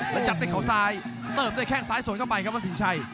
แล้วจับด้วยเขาซ้ายเติมด้วยแข้งซ้ายสวนเข้าไปครับวัดสินชัย